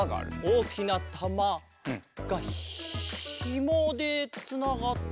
おおきなたまがひもでつながってて。